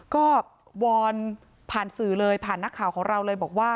ก็วอนผ่านสื่อเลยผ่านนักข่าวของเราเลยบอกว่า